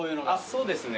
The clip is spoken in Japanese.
そうですね。